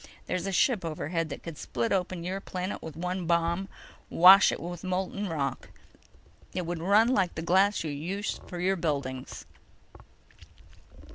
There's a ship overhead that could split open your planet with one bomb—wash it with molten rock. It'd run like the glass you use for your buildings."